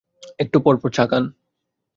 একটু পর পর চা খান।